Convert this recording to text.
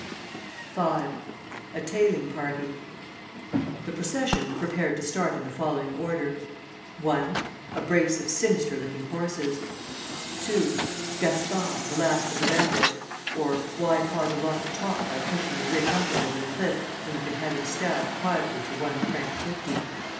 V. A TAILING PARTY The procession prepared to start in the following order: (1) A brace of sinister looking horses. (2) Gaspard, the Last of the Bandits; or "Why cause a lot of talk by pushing your rich uncle over the cliff, when you can have him stabbed quietly for one franc fifty?"